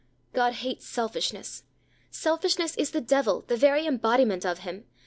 God hates selfishness selfishness is the devil, the very embodiment of him.